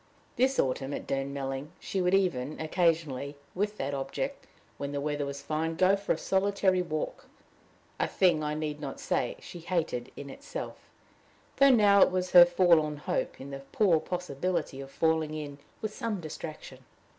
This autumn, at Durnmelling, she would even, occasionally, with that object, when the weather was fine, go for a solitary walk a thing, I need not say, she hated in itself, though now it was her forlorn hope, in the poor possibility of falling in with some distraction.